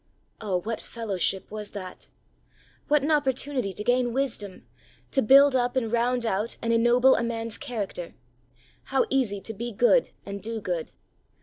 Oh, what fellowship was that ! What an opportunity to gain wisdom, to build up and round out and ennoble a man's character ! How easy to be good and do good